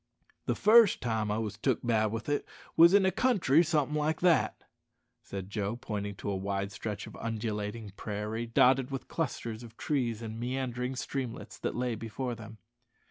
"The fust time I wos took bad with it wos in a country somethin' like that," said Joe, pointing to the wide stretch of undulating prairie, dotted with clusters of trees and meandering streamlets, that lay before them.